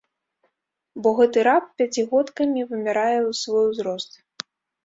Бо гэты раб пяцігодкамі вымярае свой узрост.